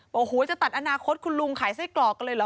บอกว่าโอ้โหจะตัดอนาคตคุณลุงขายไส้กรอกเลยเหรอ